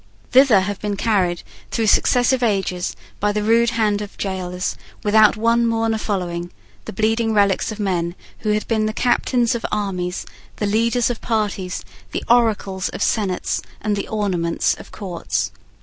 Thither have been carried, through successive ages, by the rude hands of gaolers, without one mourner following, the bleeding relics of men who had been the captains of armies, the leaders of parties, the oracles of senates, and the ornaments of courts.